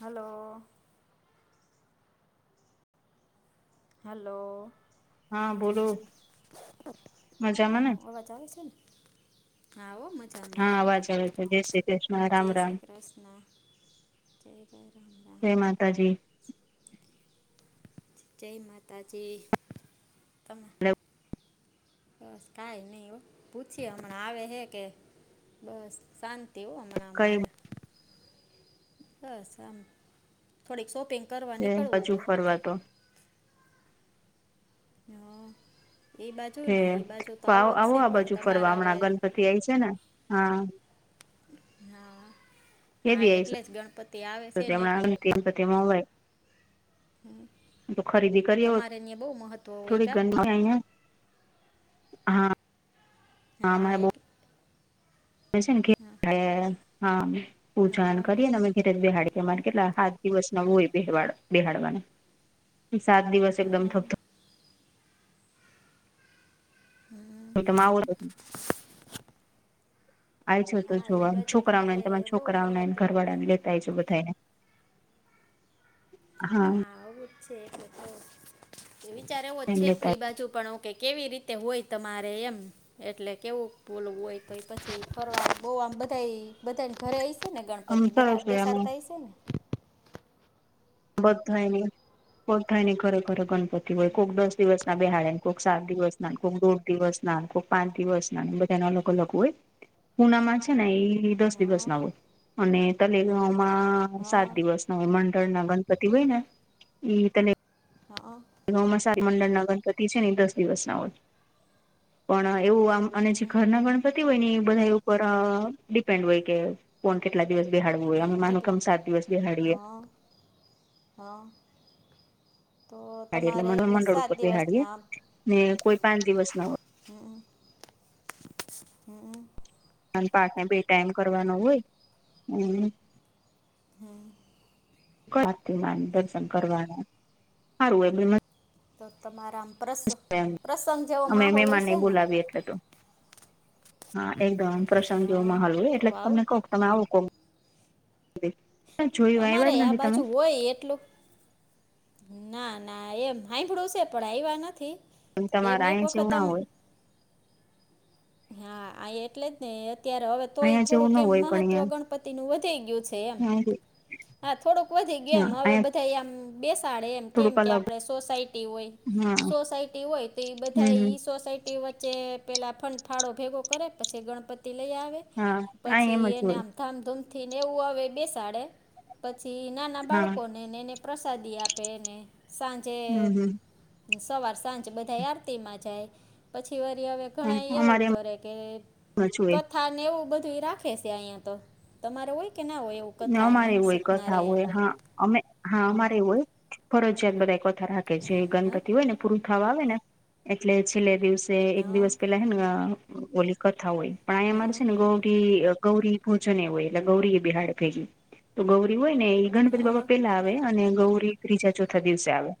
હાલો hello હા બોલો મજામાં ને ચાલ છેને, આવો મજ હા, અવાજ આવે છે જય શ્રી કૃષ્ણ રામ રામ પ્રશ્ના [unintelligible] જય માતાજી જય માતાજી તમ બસ કાઈ નઈ હો પૂછીએ હમણાં આવે હે કે બસ શાંતિ હો અમણાં કઈ મારે બસ આમ થોડીક શોપિંગ કરવા નીકળવું અતુ વાટો હ એ બાજુ તે નહિ એ બાજુ, તો આવો જ સે પણ તમારે અવે પેય છેને, હા નાં કે દી આઈશ ને એટલે તો ખરીદી કરીઓત તમારે ત્યાં બહુ મહત્ત્વ હોય થોડી કા ગંદી આઈ આં હા નાં અમારે બહુ આયેટ છે ને ઘે હા પૂજાન હા હે કરીએ ને અમે ઘેરેજ બેહાડે એમાં કેટલા હાત, દિવસ ના હોય બેહવાડ બેહાડવાના સાત દિવસ એકદમ હા થપ થપ તો કે મા આવું આજો તો હા એ જોવા બાજુ છોકરાઓનેને તમારે તમારા બહુ છોકરાઓનેને મહત્ત્વ ઘર હોય વાળા ને લેતા આયજો બધાને હા ના આવું જ છે એટલે તો એ વિચાર એવો એમ છે પ લેતા એ બાજુ પણ કે કેવી રીતે હોય તમારે એમ એટલે કેવું બોલવું હોય તો પછી ફરવા બોવામ બધાય બધાને ઘરે આવી છેને આમ ગણપતિ બે સરસ હોય આમાં બેસાડતા હ છેને. બધુંય ન કો થાય ન ખરેખર ગણપતિ હોય કોઈક દસ દિવસ ના બ બેહાડેને કોઈક સાત દિવસ ના કોઈક દોઢ દિવસ ના પાંચ દિવસ ના બધા ના અલગ અલગ હોય પુનામાં છે ને એ દસ દિવસ હા ના હોય અને તલેગમાં હા સાત દિવસ ના હોય મંડળ ના પતી હોય ને ઈ તને હા ગૌમાંસા મંડળ ના ગણપતિ છે ને દસ દિવસના હોય [inaudible] પણ એવું આમ અને જે ઘરના ગણપતિ હોય ને એ બધા એ ઉપર ડિપેન્ડ હોય કે કોણ કેટલા દિવસ બેહાડવું હોય અમે માનું કેટલા કેમ સાત દિવસ બેહાડીએ હ તો બેહાડીએ તમારે મંડળ એટલે મંડળ સાત ઉપર બેહાડીએ દિવસના ને કોઈ પાંચ દિવસ ના હમ હમ અને પાચ બે ટાાઈ એમ કરવાનો હોય હમ હા દર્શન કરવાના હારું એ તો તમારા આમ પ્રસ પ્રસંગ જેવો માહોલ હશે ને એટ હતું હા એકદમ પ્રશંગ જેવો હા માહોલ હોય તો એટલે તમને આવું કહ તમે આવું કહ તમારે આ બાજુ હોય એટલું ના ના એમ સાાંભળું છે પણ આવવા નથી એમ તમારા એક અહીંયા વખત જેવું ના આમ હોય હા આ એટલે જ ને અત્યારે હવે તોય અહીંયા જેવું થોડુંક ના એમ હોય પણ મહત્વ અહિયાં ગણ તિ નું વધી ગયું છે એમ હા થોડુંક વધી ગયું એમ હા હવે અહીંયા બધ થ આમ બેસાડે એમ કેમ થોડુંક કે અલગ આપડ સોસાયટી હોય હા સોસાયટી હોય તો એ હમ બધા હમ એ સોસાયટી વચ્ચે પેલા ફદ ફાળો ભેગો કરે પછી ગણપતિ લઈ આવે હા આ એમ પછી જ એને હોય આમ ધામધૂમથી ને એવું હવે બેસાડે પછી નાના હા બાળકોને અનેને એને પ્રસાદી આપે ને સાંજે હમ હમ સવાર સાંજ બધા આરતી માં જાય પછી વરી હવે હા ઘણા એવું અમારે કે જ હોય કથા ને એવું બધું રાખે છે અહિયાં તો તમારે હોય કે ના હોય એવુ? ના અમારી હોય કથા હોય હા અમે હા અમારે એવું હોય ફરજયાત બધા એક વથા રાખે છે હં ગણપતિ હોય ને પૂરું થવા આવે ને એટલે છેલ્લે દિવસે એક હં દિવસ પેલા હે ને પોલીસ કથા હોય પણ આયા મારે છે ને ગૌરી ગૌરી ભોજન હોય એટલે ગૌરી બેહાડે તો ગૌરી હોય ને એ હં ગણપતિ બાપા પેલા આવે અને ગૌરી ત્રીજા ચોથા દિવસે આવે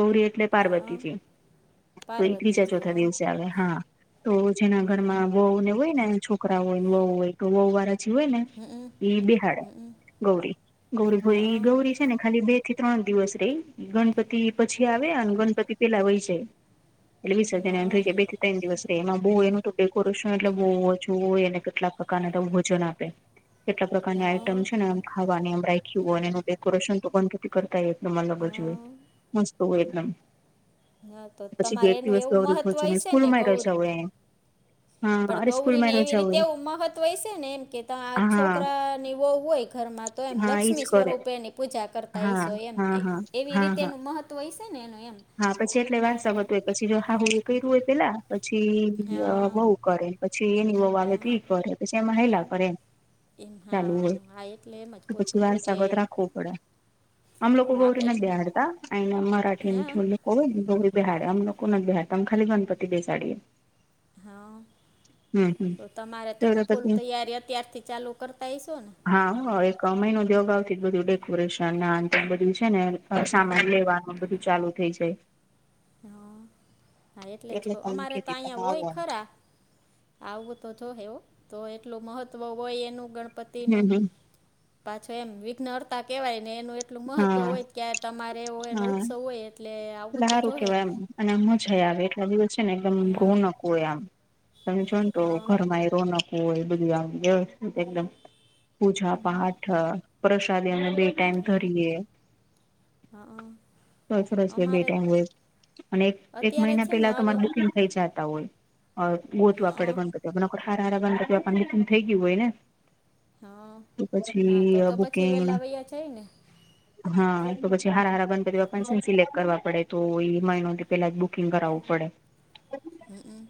ગૌરી એટલે હં હં પાર્વતીજી તો એ ત્રીજા પાર્વતીજી હં ચોથા દિવસે આવે હા તો જેના હં હં ઘરમાં વોવ ને હોય ને છોક છોકરા હોય વહુ હોય તોહ વારા જે હોય ને, હંક એ બેહાડે ગૌરી ગૌરી ભઈ ગૌરી ને ખાલી બે થી ત્રણ દિવસ રહી ગણપતિ પછી આવે અને ગણપતિ પેલા હોય છે એટલે વીસ હજ હં થઈ જાય બે ત્રણ દિવસ ર એમાં બહુ એનું ડેકોરેશન એટલે બહુજુ હોય એને કેટલાક પ્રકારને તો ભોજન આપે કેટલા પ્રકારની હં આઈટમ છે ને એમ ખાવા એમ રાખ અને એ ડેકોરેશન તો કરતાય એટલે હં મલગજ હોય મસ્ત હોય એટલે- હં તો પછી તમારે એક એનું દિવસ એવું મહત્ત્વ ગરી હશે સ્કૂલ ને માંય ગૌરી રહ્યો છે હ એ. પણ ગૌરીને એવી રીતે હોય એવું મહત્વ છે ને એમ કે ત આ હા છોકરાની બહુ હોય ઘરમાં તો એમ હા એજ લક્ષ્મી કરે સ્વરૂપેની પૂજા કરતા હા ઈશો એમ હા હા એવી હા રીતે હા મહત્ત્વ છે ને એનું એમ હા પછી એટલે વાત આ સાત હોય પછી જો હા હું એ કર્યું હોય પેલા પછી હં બઉ કરે પછી એની બહુ આવે તો હા ઈ કરે પછી એમાં હેલા કરે. એમ ચાલુ હા હોય હા એટલે એમ જ તો પૂછું પછી હું કે વારસાગત રાખવો પડે. અમ લોકો ગૌરી આપણે એમ નથી દહાડતા એને હે મરાીને કોય ને બહારે અમ લોકો નથી બહાર તમે ખાલી ગણપતિ બેસાડીએ. હા હમ હમ તો તમારે તેમે તો ફૂલ પછી તૈયારી અત્યારથી ચાલુ કરતા હઈશો ને. હા એક અમય ન દગ આવતી બધું ડેકોરેશન ના બધું છે ને. સામાન લેવાનું બધું ચાલુ થઇ જાય. હા હા એટલે જ કહ તમને અમારે તો કીધી તમે અહીંયા હોય આવો ખરા. આવું તો જો હેવ તો એટલું મહત્ત્વ હોય એનું ગણપતિનું હમ હમ પાછો એમ વિઘ્ન અર્તા કેહેવાય ને એનું એટલું મહત્વ હા હોય ક તમારે એવ હોય એનો હા ઉત્સવ હોય. એટલે આવું એટલે સારું કેવાય એમ અને આ મજા આવે એટલા દિવસ છે ને એકદમ હા ઘઉનકું હોય આમ. તમે જો ને તો હા ઘરમાં એ રોનકું હોય બધું હોય એકદમ પૂજા પાઠ પ્રસાદી અને બે હા ટમરીએ હા હા. સર બે અમારે ટાઈમ હોય અને એક એક અત્યારે મહિના છે ને પેલા તમા હવે બુકિંગ થઈ જતા હોય. ગોતવા પડે હા ગણપતિ સારા સારા ગણપતિ વાપ ન થઈ ગયું હોય ને. હા તો હા તો પછી તો પછી બુકિંગ વેલા વૈયા જાય ને. હા તો પછી હારા હારા બંધ કરવા પણિ કરવા પડે તો એ મહિનોથી પેલા જ બુકિંગ કરાવવું પડે. હમમ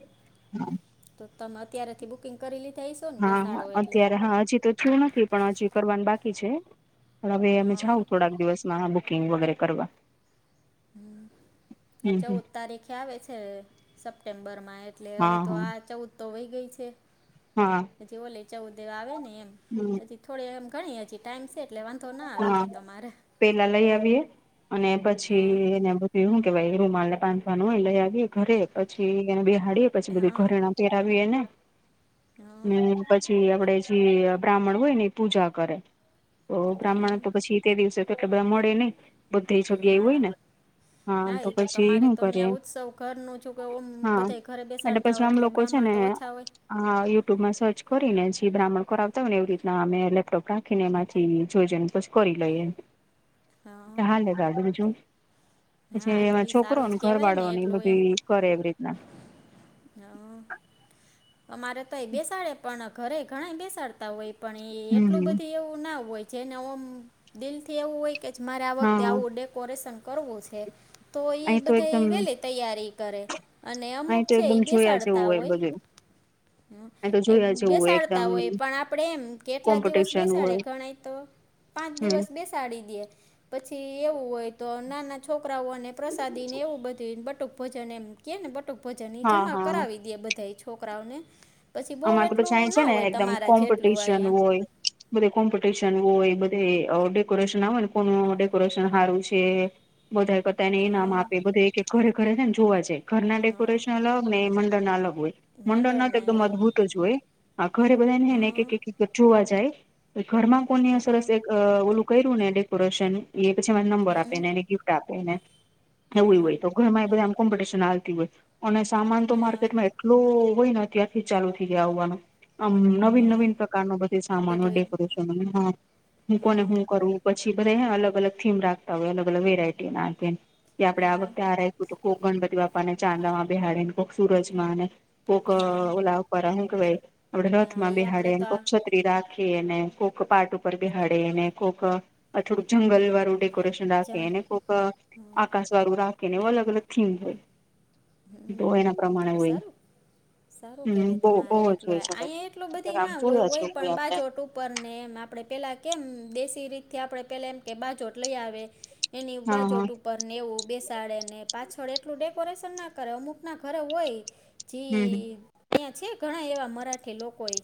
તો તમે અત્યારેથી બુકિંગ કરી લીધાશ હા અત્યારે હા હજી તો શું નથી પણ હજી કરવાનું બાકી છે હવે અમે જાઉ હા થોડાક દિવસ ના બુકિંગ વગેરે કરવા. હમ. હમ હમ ચૌદ તારીખે આવે છે સપ્ટેમ્બરમાં એટલે હવે હા તો હા આ ચૌદ તોવાઈ ગઈ છે. હા પ ઓલે ચૌદ દેવા આવે ને એમ હમ થોડે એમ ગણી હજી ટાઈમ છે એટલે વાંધ તો ના આવે હા તોય તમારે. પેલા લઈ આવીએ અને પછી હા એને વું કે ભાઈ એ રૂ માને પાંધવા ન હો લઈ આવીએ ઘરે પછી એને બ બેહાડીએે પછી બધું હા ઘરે ના વી એના હા હ પછી આપડે જે બ્રાહ્મણ હોય ને એ પૂજા કરે. તો હા બ્રાહ્મણ તો પછી તે દિવસે તો એટલે બ્રાહ્ મળે નને બુધ્ધ જગ્યા એવું હા હોય ને હા એ તો પછી તમારે શું તો કરે અહી ઉત્સવ ઘરનું છું કે ઓમ હા બધા ઘરે બેસાડ તા હોય એલે્રાહ્મણ તો ઓછા હોય. હ યુટ્યુબમાં સર્ચ કરીને જેી બ્રાહ્મણ કરાવતા હોય ને એવી રીતના અમે લેપટોપ રાખીને એમાંથી જોજન બછ કરી લઈ હા દાજું? પછી હા તો એમાં એ સારું છોકરો જ ને ઘર કહેવાય વાળોને એ બધી કરે એવી રીતના. હા. અમારે તો એ બેસાડે પણ ઘરે ઘણા બેસાડતા હોય પણ એ એટલું હમ બધું એવું ના હોય. જેને હ દિલથી એવું હોય કે મારે આ વખતે હા આવું ડેકોરેશન કરવું છે. તો એ અહી તો બધે એકદમ વેલી તૈયારી કરે અને અમુક અહી તો છે એ એકદમ જોયા જેવું બેસાડતા હોય. બધું તો હ એ જોયા જેવું હોય બેસાડતા એકદમ હોય પણ આપડે એમ કેટલા દિવસ કોમ્પિટિશન બેસાડે હોય ગણાય તો. પાંચ હમ દિવસ બેસાડી દે પછી એવું હોય તો નાના છોકરાઓને પ્રસાદી ને એવું બધું બટુક ભજન એમ કે ને ટ ભજન હા જમા હા કરાવી દે બધા છોકરાઓને. પછી બહુ આમાં તો પછી એટલું છે ના ને હોય એકદમ તમારા જેટલું કોમ્પિટિશન અહીંયા. હોય બધે કોમ્પિટિશન હોય બધે ડેકોરેશન આવે ને કોનું ડેકોરેશન સારું છે. બોધાય ને ઈનામ હા આપે બધું ઘરે ઘરે છે ને જોવા જાય ઘરના હા ડેકોરેશન અલગ ને એ મંડળ ના અલગ હોય. મંડળ ના ત મંડળના એકદમ અલગ અદભુત. જોય ઘરે બધાને ને એક હા એક જોવા જાય ઘરમાં કોની અસર હા હશે. અ ઓલું કયરુ ને ડેકોરેશન એ પછી મને નંબર આપેને એ ગિફ્ટ આપે ને એવું હોય તો ઘરમાં એ બધાય આમ કોમ્પિટિશન આવતી હોય અને સામાન તો હા માર્કેટમાં એલુ હોય ને ત્યારથી ચાલુ થઈ ગયા ઓવાનું. આમ નવીન હા નવીન પ્રકાર ન બધી સામાનો બધુંય ડેકોરેશન હ હું કોને હા હું કરું. પછી બધાય અલગ અલગ થીમ રાખતા હોય અલગ અલગ વેરાયટી રાખે કે આપડે હા વખતે આ ર કોક ગણપતિ બાપા ને ચાંદા માં બેહાડે ને કોક સુરજ માંને કોઈક ઓ હા ઓલા કે ભાઈ આપે હા રથમાં બેહાડે આપણે એ તો આ કોક છ ન રાખીને કોક પાટ ઉપર બેહાડેને કોક અ થોડું જંગલ વાળું ડેકો ડેકોરેશન જંગ રાખેને કોઈક આકાશ વાળું રાખે ને એવું અલગ અલગ થીમ હોય. તો એના પ્રમાણે હોય સારું, સારું હમ કેવાય. બહુ બહુ તમારે જ હોય એટલોય સરસ અહીંયા એટલું એટલે બધી આમ ના હોય જોયા છે હોય એવું પણ આપડે બાજુ ઉપર ને એમ આપડે પેલા કેમ દેશી રીતથી આપડણે પેલા એમ કે બાજોટ લઈ આવે. એની હા હા બાજોટ ઉપર નેવું બેસાડે ને પાછળ એટલું ડેકોરેશન ના કર અમુક ના ઘરે હોય હમ જી ત્યાં છે ઘણા એવા મરાઠી લોકો એ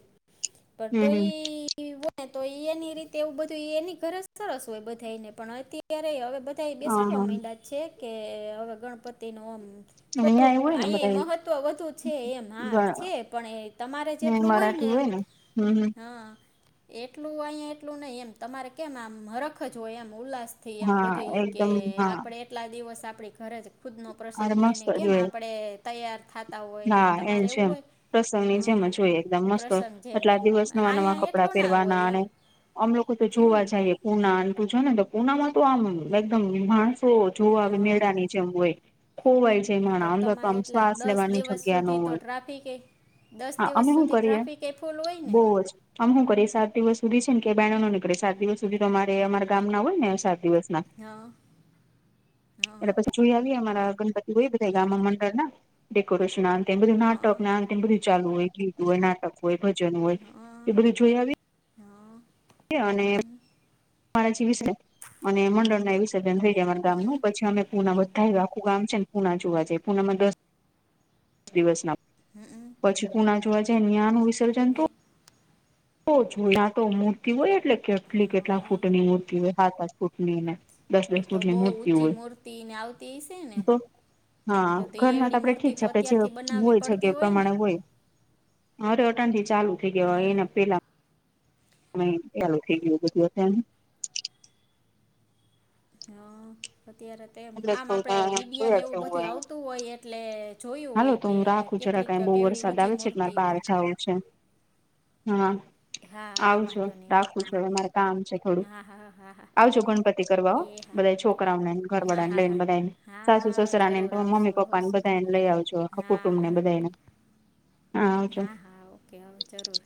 પણ હમ હમ તોઈ હોયને તો એની રીતે એવું બધું એની ગરજ સરસ હોય બધાને પણ અત્યારે હવે બ તઈ હા બેસાડવા હા મંડ્યા છે કે હવે ગણપતિ નો મ થોડુંક અહિયાં એવું હોય ને અહીં મહત્વ વધુ છે એમ હા છે બધા પણ એ તમારે જેટલું હોય ને એમ હ એટલું હો અહીયા એટલું નઈ એમ તમારે કેમ આમ હરખ જ હોય એમ ઉલ્લાસ થી એમ હા બધી કે એકદમ હા આપડે એટલા દિવસ આપડી ઘરે જ ખુદ નો પ્રસંગ અરે હોય મસ્ત ને જ પણે તૈયાર. થતા હોય ને હા એમ તમારે એવું છેમ હોય પ્રસવની જેમ હા જ હોય. એકદમ મસ્ત પ્રસંગ જેમ આટલા એમ દિવસ નવા નવા અહીંયા કપડા કપડા એટલું ના પહેરવાના હોય એમ અને અમ લોકો તો હમ જોવા જાયે. પુના અને તું જો ને તો પુનામાં તો આમ એકદમ માણસો જોવા આવે હા મેળાની જ હોય ખોવાય જ માણહ આમ તો તમારે આમ એટલા શ્વાસ દસ લેવાની દિવસ તો જગ્યા ન તે હોય ટ્રાફિક એ દસ દિવસ સુધી ટ્રાફિક એ ફૂલ હોય ને. અમ હું કરી સાત દિવસ સુધી છે ને કે બહેનો નીકળે સાત દિવસ સુધી તો મારે અમારા ગામ ના હોય ને સાત દિવસ ના. અ એલે પછી જોઈ આવીએ અમારા ગણપતિ હોય બધા ગામમાં મંડળના. ડેકોરેશન આન ટે બધું નાટક ને આ ધું ચાલુ હોય લીધું હોય કે નાટક હોય ભજન હોય એ બધું જોઈ આવી. અને માછી વિશે અને મંડળ ના એ વિસર્જન થઈ જાય અમારા ગામ ન પછી અમે પુના બધા એ આખું ગામ છે ને પુના જોવા જાય પુનામાં દસ [unintelligible] [inaudible] દસ દિવસ ના હમમ પછી પુણા જોવા જાય ને ઈયાનું વિસર્જન તો તો જો આ તો મૂર્તિ હોય એટલે કેટલી કેટલા ફૂટની મૂર્તિ હોય સાત-આત આ ફૂટની ને દસ એ દસ તો ફૂટની બહુ મૂર્તિ ઊંચી હોય મૂર્તિ ને આવતી એશે ને તો હા તો તે ઘરના તો એવડી આપણે ઠીક મૂર્તિ છે આપડે જે અત્યારથી બનાવવી હોય છે કે પડતી ને પ્રમાણે હોય અરે અટણ થી ચાલુ થઇ ગયો એના પેલા. અ એલું થઈ ગયું બધું અત હા અત્યારે તેમ એટલે આમ આપડે થોડા વિડીયા ન જોયા છે એવું હું બધું અહી આવતું હોય એટલે જોયું હાલો હોય તો કે હું રાખું કેટલીક કેવડી ઊંચી મૂર્તી હોય. ખાવું છે. હા હા હા આવજો વાંધો નહીં રાખું ઓકે છોવે. અમારે કામ છે થોડું હા હા હા હા આવજો ગણપતિ કરવા હો, એ હા બધા ઓકે છોકરાઓને હા ઘરવાળાને હા લઈને હા બધાયને, હા સાસુ હા સસરાને જરૂર મમ્મી આવશું પપ્પાને આવશું બધાયને લઈ આવજો આખા હા કુટુંબ ને હા બધાયને. હા આવજો. ઓકે હોવ, જરૂર.